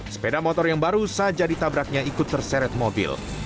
sepeda motor yang baru saja ditabraknya ikut terseret mobil